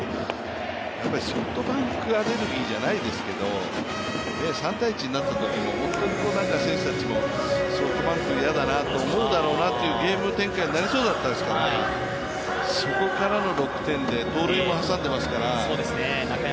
ソフトバンクアレルギーじゃないですけど３−１になったときも、本当に選手たちも、ソフトバンク嫌だなって思うようなゲーム展開になりそうだったですから、そこからの６点で盗塁も挟んでますから。